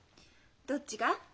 どっちが？